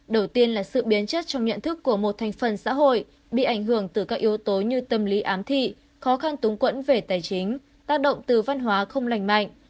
đầu tiên là sự biến chất trong nhận thức của một thành phần xã hội bị ảnh hưởng từ các yếu tố như tâm lý ám thị khó khăn túng quẫn về tài chính tác động từ văn hóa không lành mạnh